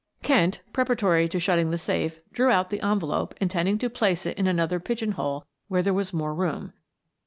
Kent, preparatory to shutting the safe, drew out the envelope intending to place it in another pigeon hole where there was more room.